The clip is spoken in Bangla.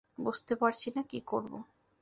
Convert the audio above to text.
বুঝতে পারছি না কী করবো।